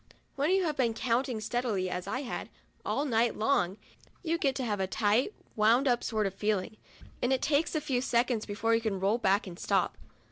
When youVe been counting steadily, as I had, all night long, you get to have a tight, wound up sort of feeling, and it takes a few seconds before you can roll back and stop.